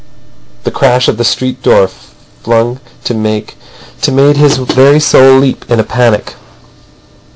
The crash of the street door flung to made his very soul leap in a panic.